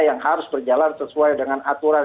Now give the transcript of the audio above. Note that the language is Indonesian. yang harus berjalan sesuai dengan aturan